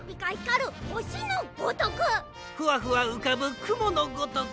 ふわふわうかぶくものごとく。